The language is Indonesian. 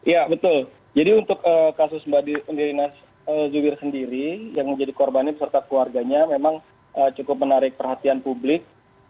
ya betul jadi untuk kasus mbak nirina zubir sendiri yang menjadi korbannya beserta keluarganya memang cukup menarik perhatian publik